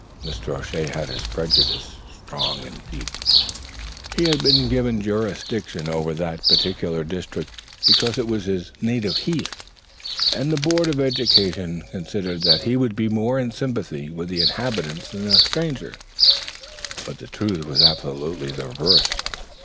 Now Mr. O'Shea had his prejudices strong and deep. He had been given jurisdiction over that particular district because it was his native heath, and the Board of Education considered that he would be more in sympathy with the inhabitants than a stranger. The truth was absolutely the reverse.